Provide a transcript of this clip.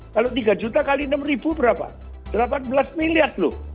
kalau rp tiga x rp enam berapa rp delapan belas loh